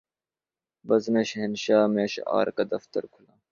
بزم شاہنشاہ میں اشعار کا دفتر کھلا